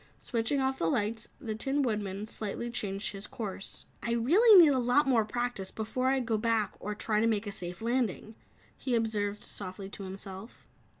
Switching off the lights, the Tin Woodman slightly changed his course. "I really need a lot more practice before I go back or try to make a safe landing," he observed softly to himself.